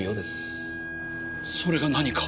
それが何か？